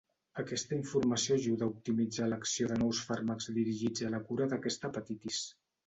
Aquesta informació ajuda a optimitzar l'acció de nous fàrmacs dirigits a la cura d'aquesta hepatitis.